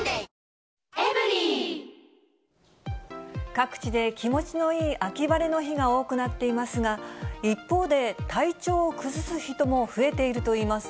各地で気持ちのいい秋晴れの日が多くなっていますが、一方で体調を崩す人も増えているといいます。